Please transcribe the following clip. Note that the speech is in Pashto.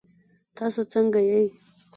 تاسو ځنګه يئ؟